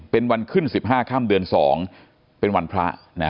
เป็นวันขึ้น๑๕ค่ำเดือน๒เป็นวันพระ